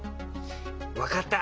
わかった。